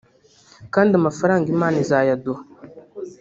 kandi amafaranga Imana izayaduha